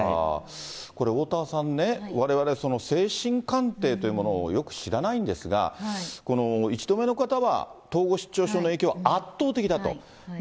これ、おおたわさんね、われわれ、精神鑑定というものをよく知らないんですが、この１度目の方は統合失調症の影響、圧倒的だと。